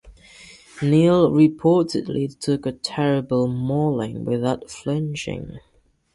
Neil reportedly took a terrible mauling without flinching.